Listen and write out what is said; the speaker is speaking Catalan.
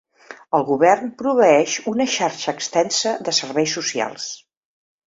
El govern proveeix una xarxa extensa de serveis socials.